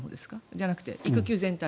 じゃなくて育休全体？